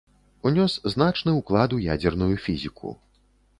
Унёс значны ўклад у ядзерную фізіку.